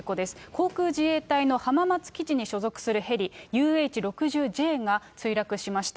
航空自衛隊の浜松基地に所属するヘリＵＨ６０Ｊが墜落しました。